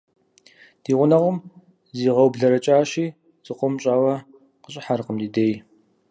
Ди гъунэгъум зигъэублэрэкӀащи, зыкъом щӀауэ къыщӀыхьэркъым ди дей.